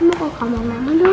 sus aku mau ke kamar mama dulu